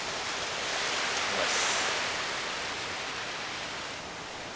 うまいっす。